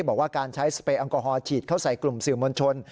บอกว่าการใช้สเปรยแอลกอฮอลฉีดเข้าใส่กลุ่มสื่อมวลชน